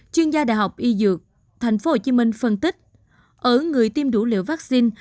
chuyên gia đh y dược tp hcm phân tích ở người tiêm đủ liều vaccine